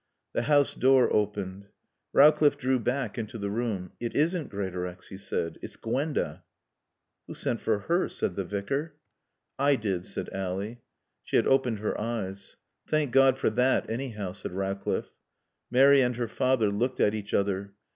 The house door opened. Rowcliffe drew back into the room. "It isn't Greatorex," he said. "It's Gwenda." "Who sent for her?" said the Vicar. "I did," said Ally. She had opened her eyes. "Thank God for that, anyhow," said Rowcliffe. Mary and her father looked at each other.